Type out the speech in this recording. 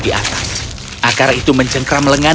di atas akar itu mencengkram lengan